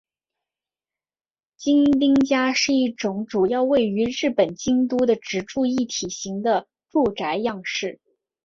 京町家是一种主要位于日本京都的职住一体型的住宅样式。